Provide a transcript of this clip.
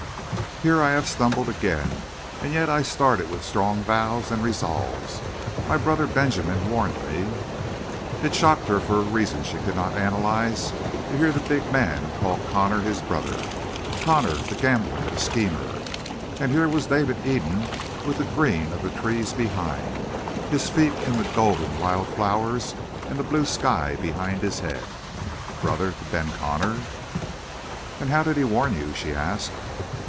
"Here I have stumbled again, and yet I started with strong vows and resolves. My brother Benjamin warned me!" It shocked her for a reason she could not analyze to hear the big man call Connor his brother. Connor, the gambler, the schemer! And here was David Eden with the green of the trees behind, his feet in the golden wild flowers, and the blue sky behind his head. Brother to Ben Connor? "And how did he warn you?" she asked.